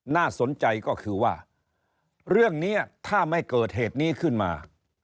น่าสนใจก็คือว่าเรื่องนี้ถ้าไม่เกิดเหตุนี้ขึ้นมา